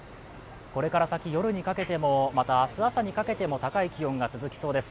これから先、夜にかけても、また明日朝にかけても高い気温が続きそうです。